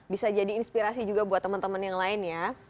bisa jadi inspirasi juga buat teman teman yang lain ya